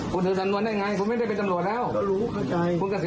คุณเกษียณตั้งแต่ปี๕๘แล้ว